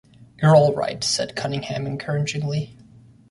"You're all right," said Cunningham encouragingly.